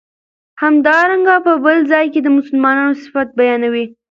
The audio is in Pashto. همدارنګه په بل ځای کی د مسلمانو صفت بیانوی